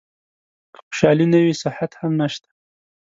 که خوشالي نه وي صحت هم نشته .